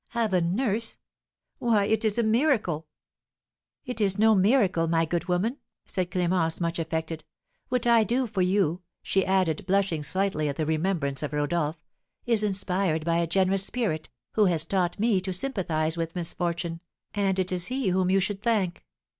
Have a nurse! Why, it is a miracle!" "It is no miracle, my good woman," said Clémence, much affected. "What I do for you," she added, blushing slightly at the remembrance of Rodolph, "is inspired by a generous spirit, who has taught me to sympathise with misfortune, and it is he whom you should thank."